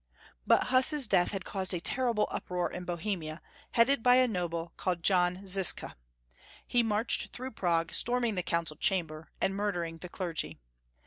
But Huss's death had caused a terrible uproar Siegmund. 241 in Bohemia, headed by a noble called John Ziska. He marched through Prague, storming the council chamber, and murdering the clergy.